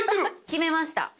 決めました。